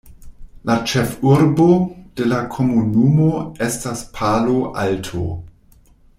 La ĉefurbo de la komunumo estas Palo Alto.